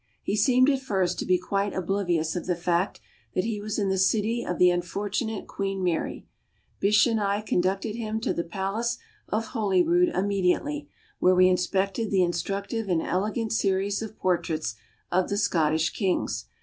He seemed at first to be quite oblivious of the fact that he was in the city of the unfortunate Queen Mary. Bysshe and I conducted him to the palace of Holyrood immediately, where we inspected the instructive and elegant series of portraits of the Scottish kings.